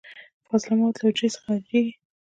فاضله مواد له حجرې څخه خارجیږي.